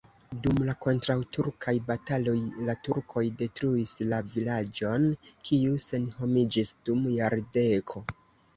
Dum la kontraŭturkaj bataladoj la turkoj detruis la vilaĝon, kiu senhomiĝis dum jardeko.